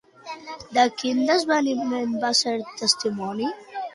De quin esdeveniment va ser testimoni?